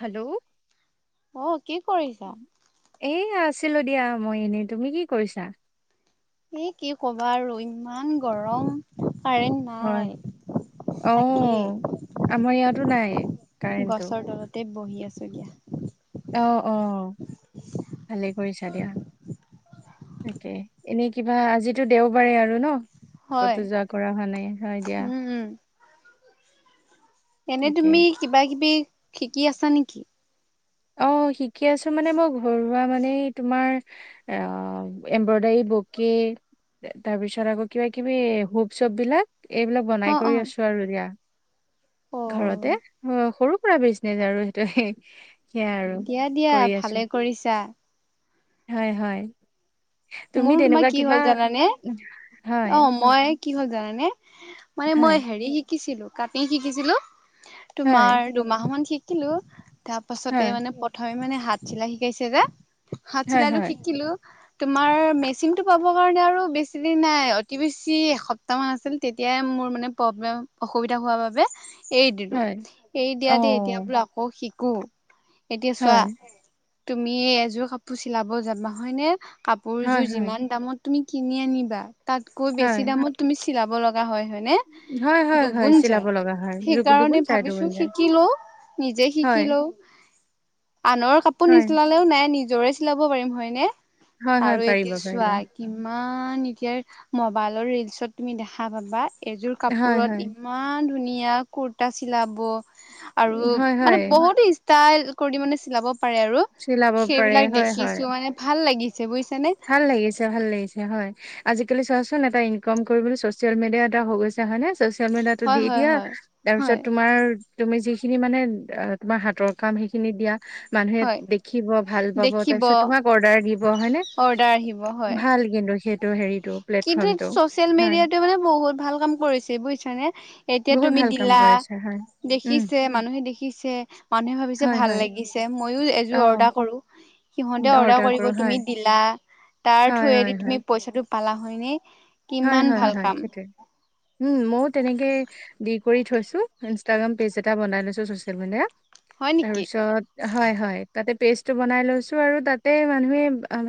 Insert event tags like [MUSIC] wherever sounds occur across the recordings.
Hello অ কি কৰিছা? এ আছিলো দিয়া মই এনেই। তুমি কি কৰিছা? এ কি কবা আৰু ইমান গৰম কাৰেণ্ট নাই। অহ তাকেই আমাৰ ইয়াতো নাই কাৰেণ্টটো। গছৰ তলতে বহি আছো এতিয়া। অহ অ ভালেই কৰিছা দিয়া। তাকে এনেই কিবা আজিতো দেওবাৰে আৰু ন। হয় কতে যোৱা কৰা হোৱা নাই, হয় দিয়া। উম উম এনে তাকে তুমি কিবা কিবি শিকি আছা নেকি? অ', শিকি আছো মানে মই ঘৰুৱা মানে তোমাৰ আহ এম্ব্ৰইডাৰী বকে। তাৰ পিছত আকৌ কিবা কিবি হোব চপ বিলাক এইবিলাক বনাই অ অ কৰি আছো আৰু দিয়া, অ ঘৰতে অ সৰু পুৰা বিজনেছ আৰু সেইটো সেয়া আৰু দিয়া দিয়া কৰি ভালে আছোঁ। কৰিছা হয়-হয়। মোৰ তোমাৰ কি হ'ল জানানে হয় অ' মই কি হ'ল জানানে মানে হয় মই হেৰি শিকিছিলো কাটিং শিকিছিলো হয় তোমাৰ দুমাহ মান শিকিলো তাৰ পাছতে হয় মানে প্ৰথমে মানে হাত চিলাই শিকাইছে যে হাত হয় চিলাইটো হয় শিকিলো। আমাৰ মেচিনটো পাবৰ কাৰণে আৰু বেছি দিন নাই। অতি বেছি এসপ্তাহমান আছিল তেতিয়াই মোৰ মোৰ মানে প্ৰব্লেম অসুবিধা হোৱাৰ বাবে এৰি দিলো। হয় এৰি অ দিয়াতে এতিয়া বোলো আকৌ শিকো এতিয়া চোৱা হয় তুমি এযোৰ কাপোৰ চিলাব যাবা হয়নে হয় কাপোৰযোৰ হয় যিমান দামত তুমি কিনি আনিবা তাতকৈ বেছি হয় দামত তুমি চিলাব লগা হয় হয়নে হয় হয় হয় দুগুণ চিলাব যায় লগা হয় দু- দুগুণ সেইকাৰণে যায় দুগুণ ভাবিছো যায় শিকিলও। নিজে হয় শিকিলও। আনৰ কাপোৰ হয় নিচিলালেও নাই নিজৰে চিলাব পাৰিম হয়নে। হয় হয় আৰু এতিয়া পাৰিবা চোৱা পাৰিবা কিমান কিমান এতিয়াইৰ মবাইলৰ ৰিলচত তুমি দেখা পাবা। এযোৰ হয় কাপোৰত হয় ইমান ধুনীয়া কুৰ্তা চিলাব। আৰু হয় মানে হয় বহুত ষ্টাইল কৰি মানে চিলাব পাৰে আৰু চিলাব পাৰে সেইবিলাক হয় হয় দেখিছো মানে ভাল লাগি ভাল লাগিছে, ভাল লাগিছে হয়। আজিকালি চোৱাচোন এটা ইনকাম কৰিবলৈ চচিয়েল মিডিয়া এটা হৈ গৈছে হয় নে। চচিয়েল মিডিয়াটো হয় দি হয় দিয়া হয় তাৰ পিছত হয় তোমাৰ তুমি যি খিনি মানে তোমাৰ হাতৰ কাম সেইখিনিত দিয়া মানুহে হয় দেখিব ভাল পাব তাৰ দেখিব পিছত তোমাক অৰ্ডাৰ দিব হয়নে? অৰ্ডাৰ আহিব হয়। ভাল কিন্তু সেইটো হেৰিটো কিন্তু প্লেটফৰ্মটো চচিয়েল হয় মিডিয়াতো মানে বহুত ভাল কাম কৰিছে বুয়ছা নে এতিয়া বহুত তুমি ভাল কাম দিলা কৰিছে হয়। উম দেখিছে মানুহে দেখিছে মানুহে ভাবিছে হয় ভাল হয় লাগিছে। মইয়ো এযোৰ অ অৰ্ডাৰ কৰো সিহঁতে অৰ্ডাৰ কৰিব কৰো তুমি হয় দিলা তাৰ হয় [UNINTELLIGIBLE] তুমি পইচাটো পালা হয়নে। কিমান হয়-হয়, ভাল হয় কাম সেইটোৱে উম, মইও তেনেকে দি কৰি থৈছো ইনষ্টাগ্ৰাম পেজ এটা বনাই লৈছো চচিয়েল মিডিয়াত। হয় নেকি তাৰপিছত হয়-হয় তাতে পেষ্টটো বনাই লৈছোঁ আৰু তাতে মানুহে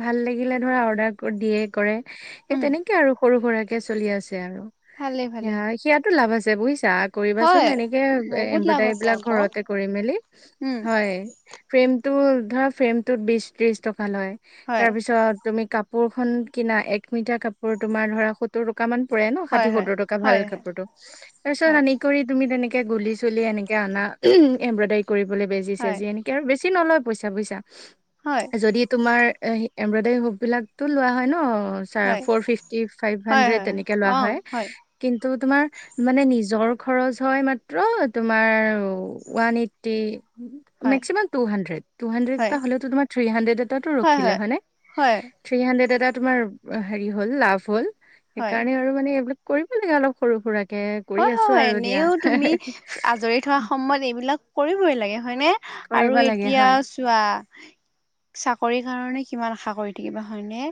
ভাল লাগিলে ধৰা অৰ্ডাৰ দিয়ে কৰে। সেই উম তেনেকে আৰু সৰু সুৰাকে চলি আছে আৰু ভালে ভালে সেয়া সেয়াতো লাভ আছে বুয় সেইয়া কৰিবাচোন হয় এনেকে বহুত লাভ এমব্ৰইডাৰী আছে বিলাক আকৌ ঘৰতে কৰি মেলি উম হয় ফ্ৰেমটো ধৰা ফ্ৰেমটোত বি ত্ৰিশ টকা লয়, হয় তাৰপিছত তুমি কাপোৰখন কিনা এক মিটাৰ কাপোৰ তোমাৰ ধৰা সওৰ টকামান পৰে ন হয় ষাঠি হয় সত্তৰ টকা ভাল হয় হয় কাপোৰটো। তাৰ পিছত হয় আনি কৰি তুমি তেনেকে গুলি চুলি এনেকে আনা এম্ব্ৰইডাৰী কৰিবলে বেজি হয় ছেজি এনেকে আৰু বেছি নলয় পইচা বোইচা। হয় যদি তোমাৰ এমব্ৰইডাৰীৰ [UNINTELLIGIBLE] লোৱা হয় ন। [UNINTELLIGIBLE] হয় হয় ফৌৰ ফিফটি, ফাইভ হয় হান্ড্ৰেড হয় তেনেকে লোৱা অ হয়, কিন্তু তো তোমাৰ মানে নিজৰ খৰচ হয় মাত্ৰ তোমাৰ ওৱান এইটটি। হয় maximum two hundred, two hundred হয় এটা হলেওঁ তো তোমাৰ থ্ৰী হান্ড্ৰেড এটাটো ৰখিলে হয় নে? হয় থ্ৰী হান্ড্ৰেড এটাত তোমাৰ হেৰি হল লাভ হ'ল। হয় সেইকাৰণে আৰু মানে এইবিলাক কৰিব লাগে অলপ সৰু সুৰাকে। কৰি আছো হয়-হয় আৰু দিয়া এনেও তুমি আজৰিত হোৱা সময়ত এইবিলাক কৰিবই লাগে হয়নে আৰু কৰিব লাগে এতিয়া হয় চোৱা চাকৰি কাৰনে কিমান আশা কৰি থাকিবা হয়নে?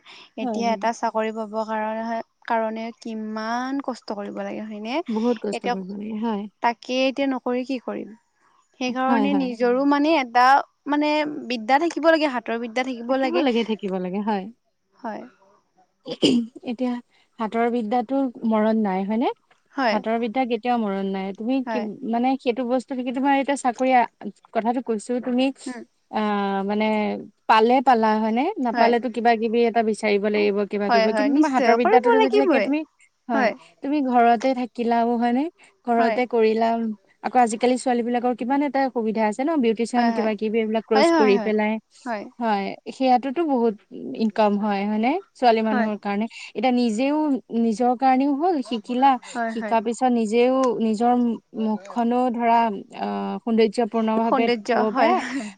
হয় এতিয়া হয় এটা চাকৰি পাব কাৰণ হয় কাৰণে কিমান কষ্ট কৰিব লাগে হয়নে? বহুত কষ্ট এতিয়া কৰিব লাগে হয় তাকে এতিয়া ন কৰি কি কৰিম। হয় সেইকাৰণে হয় নিজৰো মানে এটা মানে বিদ্যা থাকিব লাগে হাত থাকিব লাগে থাকিব লাগে হয়। হয় এতিয়া হাতৰ বিদ্যাতো মৰণ নাই হয়নে? হয় হাতৰ বিদ্যা কেতিয়াও মৰণ নাই। তুমি কি হয় মানে সেইটো বস্তু নেকি তোমাৰ এতিয়া চাকৰি কথাটো কৈছ- তো তুমি উম আহ মানে পালে পালা। হয় নে হয় নেপালেতো কিবা-কিবি এটা বিচাৰিব লাগিব কিবা হয় কৰিব, হয় কিন্তু তোমাৰ নিশ্চয় হাতৰ কৰিব বিদ্যাটো যদি থাকে লাগিবই তুমি হয়, তুমি ঘৰত ঘৰতে থাকিলাও হয় নে হয় ঘৰতে কৰিলাও আকৌ আজিকালি ছোৱালী বিলাকৰ কিমান এটা সুবিধা আছ- জান বিউটিচিয়ান হয় হয় কিবা-কিবি এইবিলাক হয় কোৰ্চ কৰি হয় পেলাই। হয় হয় হয় সেয়াতোতো বহুত ইনকাম হয় নে ছোৱালী হয় মানুহৰ কাৰণে। এতিয়া নিজেও নিজৰ কাৰণেও হ'ল শিকিলা, হয় হয় শিকাৰ পিছত নিজেও জম মুখখনো ধৰা আ সৌন্দৰ্যপূৰ্ণ ভাৱে সৌন্দৰ্য থব হয় পাৰা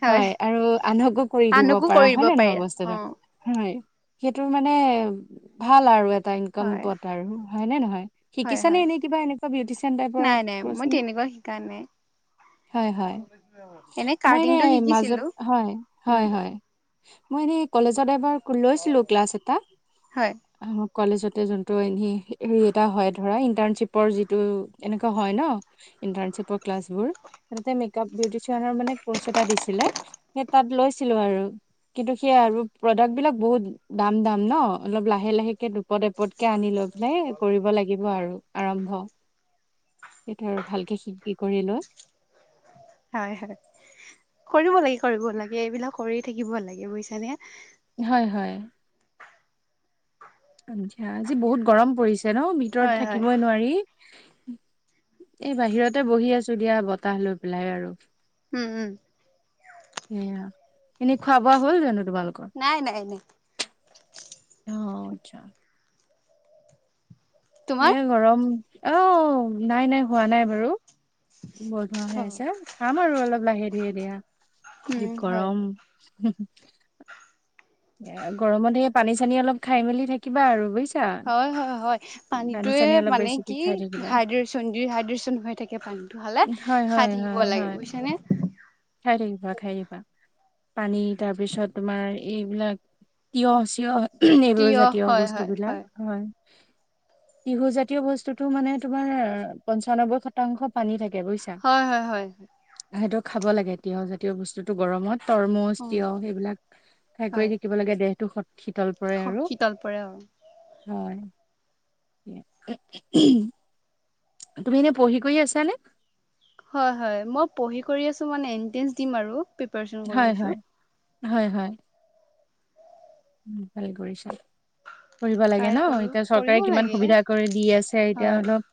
হয় আৰু আনকো কৰি দিব আনকো পাৰা কৰিব হয় নে নহয় পাৰিলা অ বস্তুটো, হয় সেইটো মানে ভাল আৰু এট- এটা ইনকাম হয় পোৱাত আৰু হয়নে নহয়? হয় শিকিছা নে হয় এনেই কিবা এনেকুৱা বিউটিচিয়ান টাইপৰ নাই নাই মই কোৰ্চখিনি তেনেকুৱা শিকা নাই? হয় হয়, মই এনে কাৰ্টিংটো এ মাজত শিকিছিলো হয় হয় উম হয়। মই এনেই কলেজত এবাৰ লৈছিলো ক্লাছ এটা হয় কলেজতে যোনটো এনেই হেৰি এটা হয় ধৰা ইন্টাৰ্ণশ্বিপৰ যিটো এনেকুৱা হয় ন ইণ্টাৰ্ণশ্বিপৰ ক্লাছবোৰ তাতে মেকআপ বিউটিচিয়ানৰ মানে কোৰ্চ এটা দিছিলে সেই তাত লৈ শিকিছিলো আৰু কিন্তু সেই আৰু প্ৰডাক্ট বিলাক বহুত দ দাম-দাম ন অলপ লাহে লাহেকে দুপ- এপদ এপদকে আনি লৈ পেলাই কৰিব লাগিব আৰু আৰম্ভ। সেইটোৱে আৰু ভালকে শিকি কৰি লৈ হয় হয় কৰিব লাগি- কৰিব লাগে এইবিলাক কৰি থাকিব লাগে বুজিছানে। হয় হয়। আঞ্জি আজি বহুত গৰম পৰিছে ন ভিতৰত হয় হয় থাকিবই নোৱাৰি। উম এই বাহিৰতে বহি আছো দিয়া বতাহ লৈ পেলাই আৰু। উম উম। সেয়া এনেই খোৱা-বোৱা হ'ল জানো তোমালোকৰ? নাই নাই নাই অ আত্চ্ছা। তোমাৰ এয়া গৰম আহ নাই নাই হোৱা নাই বাৰু। বৰ ধোৱা অ হৈ আছে খাম আৰু অলপ লাহে ধীৰে দিয়া। উম যি হয় গৰম হু হু। এয়া গৰমতে সেয়া পানী-চানী অলপ খাই মেলি থাকিবা আৰু বুৰিছ হয় হয় হয় পানীটোয়ে অলপ মানে বেছিকে কি খাই থাকিবা হাইড্ৰেচন ডি-হাইড্ৰচন হৈ থাকে পান- দিনটো হ'লে হয় খাই হয় থাকিব হয় লাগে হয় বুজিছা নে? খাই থাকিবা খাই থাকিবা। পানী তাৰপিছত তোমাৰ এইবিলাক তিয়হ-চিয়হ [UNINTELLIGIBLE] নেমোৰ তিয়হ জাতীয় হয় বস্তু হয় বিলাক হয়। তিহু জাতীয় বস্তুটো মানে তোমাৰ পঞ্চানব্বৈ শতাংশ পানী থাকে। বুজিছা। হয় হয় হয়। সেইটো খাব লাগে তিয়হজাতীয় বস্তুতটো গৰমত তৰমুজ, উম তিয়হ সেইবিলাক কৰি হয় থাকিব লাগে দেহটো শত শীতল পৰে আৰু শীতল পৰে অ হয়। এয়া উম উম উমহু তুমি এনেই পঢ়ি-কৰিয়ে আছানে? হয় হয়, মই পঢ়ি-কৰি আছো মানে এণ্ট্ৰেন্স দিম আৰু প্ৰিপাৰেচন কৰি হয় হয় আছো। হয় হয়। উম ভালেই কৰিছা। পঢ়িব ট্ৰাই লাগে ন কৰো এতিয়া কৰিব চৰকাৰে কিমান লাগে সুবিধা কৰি দি আছে এতিয়া হয় অলপ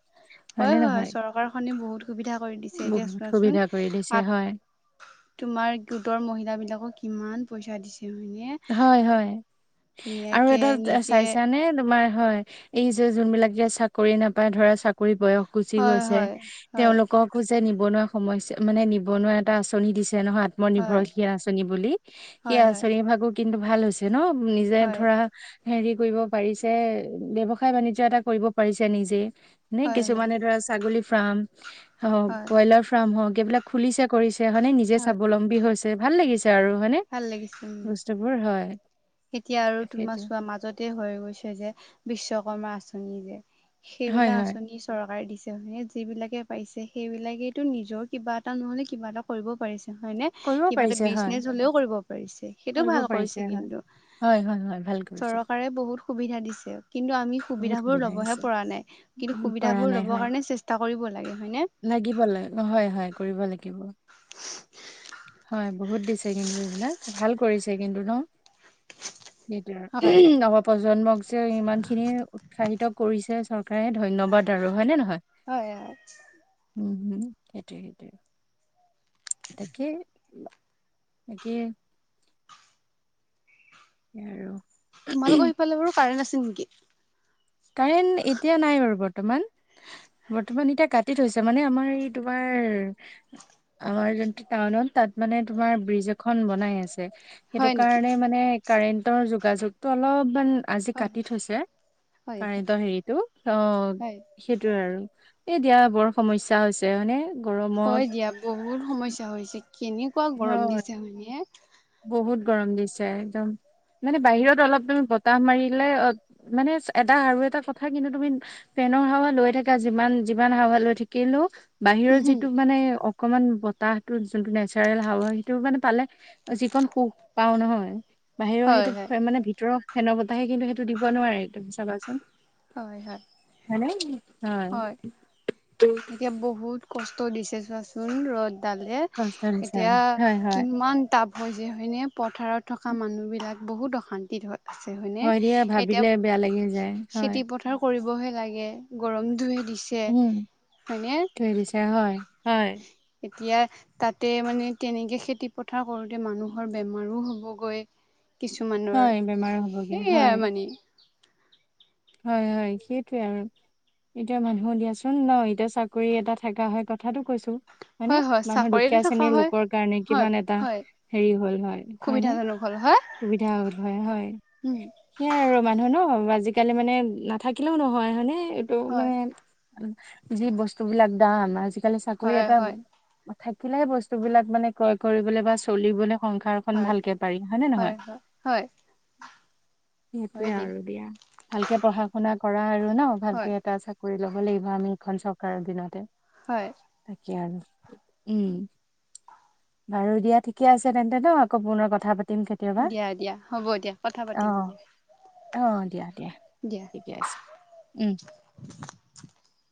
হয় হয়নে হয় নহয় চৰকাৰখনি বহুত সুবিধা কৰি দিছে এতিয়া বহুত সুবিধা চোৱাচোন কৰি দিছে হয় আত তোমাৰ গোটৰ মহিলাবিলাকক কিমান পইচা দিছে হয়নে হয় হয় আৰু ধুনীয়াকে এডাল নিজে চাইছা নে ন তোমাৰ হয় এই যে যোনবিলাকে যে চাকৰি নেপায় ধৰা চাকৰি বয়স গুচি হয় গৈছে হয় হয় তেওঁলোককো যে নিবনুৱা সময়ছ মানে নিবনুৱা এটা আঁচনি দিছে চে নহয় হয় আত্মনিৰ্ভৰশীল আঁচনি বুলি সেই হয় হয় আঁচনিৰ ভাগো কিন্তু ভাল হৈছে ন নিজে হয় ধৰা হেৰি কৰিব পাৰিছে ব্যৱসায় বাণিজ্য এটা কৰিব পাৰিছে নিজে নে হয় হয় কিছুমানে ধৰা ছাগলী ফ্ৰাম হওক হয় ব্ৰইলাৰ ফ্ৰাম হওঁক এইবিলাক খুলিছে কৰিছে হয়নে নিজে হয় স্বাৱলম্বী হৈছে ভাল লাগিছে আৰু হয়নে ভাল লাগিছে উম বস্তুবোৰ হয় এতিয়া আৰু তোমাৰ সেইটোৱে চোৱা মাজতে হৈ গৈছে যে বিশ্বকৰ্মা আঁচনি যে হয় সেইবিলাক হয় আঁচনি চৰকাৰে দিছে ত হে যিবিলাকে পাইছে সেইবিলাকেইটো নিজৰ কিবা এটা নহলে কিবা এটা কৰিবও পাৰিছে হয়নে কৰিব কিবা এটা পাৰিছে হয়, বিজনেচ হলেও কৰিব পাৰিছে সেইটো কৰিব ভাল পাৰিছে কৰিছে হয়, কিন্তু হয় হয় হয় ভাল কৰিছে চৰকাৰে বহুত সুবিধা দিছে কিন্তু আমি বহুত সুবিধা বোৰ লবহে দিছে, পৰা নাই কিন্তু উম, সুবিধা পৰা বোৰ নাই লব হয়, কাৰণে চেষ্টা কৰিব লাগে হয়নে লাগিব লাগ হয় হয় কৰিব লাগিব [UNINTELLIGIBLE] হয় বহুত দিছে কিন্তু এইবিলাক ভাল কৰিছে কিন্তু ন সেইটোৱে হয় নৱপ্ৰজন্মক যে ইমান খিনি উৎসাহিত কৰিছে চৰকাৰে ধন্যবাদ আৰু হয়নে নহয় হয় হয় উম হম সেইটোৱেই সেইটোৱেই তাকে তাকে [UNINTELLIGIBLE] তোমালোকৰ সিফালে বাৰু কাৰেণ্ট আছে নিকি কাৰেণ্ এতিয়া নাই বাৰু বৰ্তমান বৰ্তমান এতিয়া কাটি থৈছে মানে আমাৰ এই তোমাৰ আমাৰ যোনটো টাউনত তাত মানে তোমাৰ ব্ৰিজ এখন বনাই আছে হয় সেইটো নেকি? কাৰণে মানে কাৰেণ্টৰ যোগাযোগটো অলপমান আজি হয় কাটি থৈছে হয় হয় কাৰেণ্টৰ হেৰিটো অ হয়। সেইটোয়ে আৰু এ দিয়া বৰ সমস্যা হৈছে হয় নে হয় দিয়া বহুত সমস্যা হৈছে কেনেকুৱা গৰম হয়। দিছে হয়নে বহুত গৰম দিছে একদম মানে বাহিৰত অলপ তুমি বতাহ মাৰিলে অ মানে এটা আৰু এটা কথা কিন্তু তুমি পে ফেনৰ হাৱা লৈ থকা যিমান যিমান হাৱা লৈ থাকিলেও বাহিৰৰ উম যিটো মানে অকমান বতাহটো যোনটো নেচাৰেল হাৱা সেইটো মানে পালে যিকণ সুখ পাও নহয় বাহিৰৰ হয় সেইটো হয় ফে মানে ভিতৰৰ ফেনৰ বতাহে কিন্তু সেইটো দিব নোৱাৰে তুমি চাবাচোন হয় হয় হয় নে হয় এতিয়া বহুত কষ্ট দিছে চোৱাচোন ৰ'দ দালে কষ্ট দিছে এতিয়া হয় হয় কিমান তাপ হৈছে হয়নে পথাৰত থকা মানুহবিলাক বহুত অশান্তিৰ হয় হয় দিয়া ভাবিলে বেয়া লাগি যায় হয় খেতি পথাৰ কৰিবহে লাগে গৰম ধুইত দিছে উম থৈ দিছে হয় হয় হয়নে তিয়া তাতে মানে তেনেকে খেতি পথাৰ কৰোতে মানুহৰ বেমাৰো হ'বগৈ কিছুমানৰ হয় বেমাৰ হ'বগে হয়, সেয়াই মানে হয় হয় সেইটোৱে আৰু এতিয়া মানুহো দিয়াচোন ন এতিয়া চাকৰি এটা থাকা হয় কথাটো কৈছো হয় নে মানুহৰ চাকৰিতে দুখীয়া থকা শ্ৰেনীৰ হয়। লোকৰ কাৰণে হয় কিমান এটা হয় হেৰি হ'ল হয় হয়নে সুবিধাজনক হ'ল হয় সুবিধা হ'ল হয় হয় উম সেইয়া আৰু মানুহ ন জিকালে মানে নাথাকিলেও নহয় হয়নে এইটো হয় মানে যি বস্তু বিলাক দাম আজিকালি চাকৰি হয় এটা হয় থাকিলেহে বস্তুবিলাক মানে ক্ৰয় কৰিবলে বা চলিবলে। সংসাৰখন হয় ভালকে পাৰি হয়নে নহয় হয় হয় হয় সেইটোৱে আৰু দিয়া ভালকে পঢ়া শুনা কৰা আৰু। আৰু ন হয় ভালকে এটা চাকৰি ল'ব লাগিব আমি এইখন চৰকাৰৰ দিনতে। হয় এতিয়া আৰু উম বাৰু দিয়া ঠিকে আছে তেন্তে ন আকৌ পুনৰ কথা পাতি দিয়া দিয়া হ'ব দিয়া কথা পাতিম দিয়া। অহ দিয়া দিয়া দিয়া ঠিকে আছে উম [UNINTELLIGIBLE]